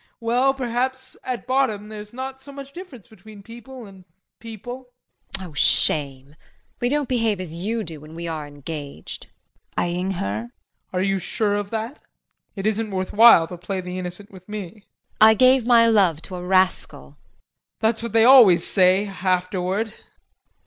Well, perhaps at bottom there's not so much difference between people and people. JULIE. Oh, shame! We don't behave as you do when we are engaged. JEAN. [Eyeing her]. Are you sure of that? It isn't worthwhile to play the innocent with me. JULIE. I gave my love to a rascal. JEAN. That's what they always say afterward.